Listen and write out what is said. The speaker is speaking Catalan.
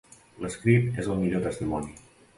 L'escrit és el millor testimoni.